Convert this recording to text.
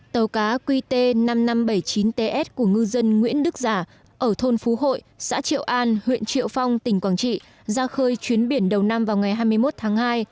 tàu cá qt năm nghìn năm trăm bảy mươi chín ts của ngư dân nguyễn đức giả ở thôn phú hội xã triệu an huyện triệu phong tỉnh quảng trị